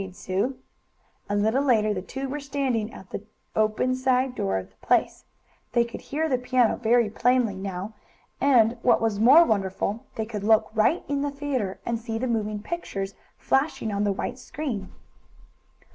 "All right!" agreed Sue. A little later the two were standing at the open, side door of the place. They could hear the piano very plainly now, and, what was more wonderful, they could look right in the theatre and see the moving pictures flashing on the white screen.